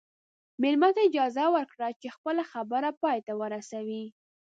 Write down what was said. مېلمه ته اجازه ورکړه چې خپله خبره پای ته ورسوي.